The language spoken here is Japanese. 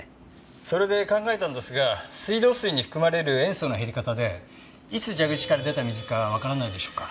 それで考えたんですが水道水に含まれる塩素の減り方でいつ蛇口から出た水かわからないでしょうか？